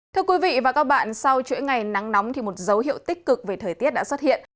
thưa quý vị và các bạn sau chuỗi ngày nắng nóng thì một dấu hiệu tích cực về thời tiết đã xuất hiện